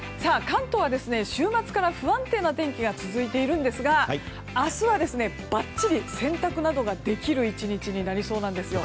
関東は週末から不安定な天気が続いているんですが明日は、ばっちり洗濯などができる１日になりそうなんですよ。